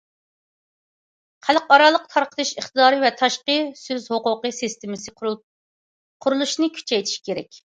خەلقئارالىق تارقىتىش ئىقتىدارى ۋە تاشقى سۆز ھوقۇقى سىستېمىسى قۇرۇلۇشىنى كۈچەيتىش كېرەك.